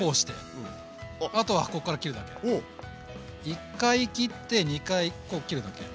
１回切って２回こう切るだけ。